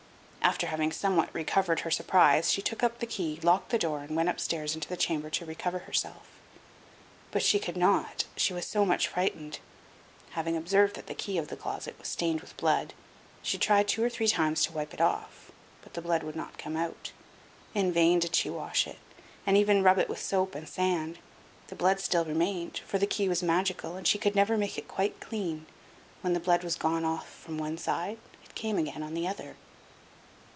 After having somewhat recovered her surprise, she took up the key, locked the door, and went upstairs into her chamber to recover herself; but she could not, she was so much frightened. Having observed that the key of the closet was stained with blood, she tried two or three times to wipe it off, but the blood would not come out; in vain did she wash it, and even rub it with soap and sand; the blood still remained, for the key was magical and she could never make it quite clean; when the blood was gone off from one side, it came again on the other.